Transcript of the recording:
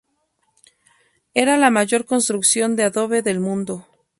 Era la mayor construcción de adobe del mundo.